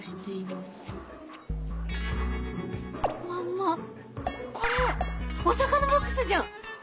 まんまこれお魚ボックスじゃん！